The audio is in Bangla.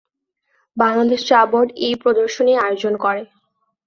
বাংলাদেশ চা বোর্ড এই প্রদর্শনীর আয়োজন করে।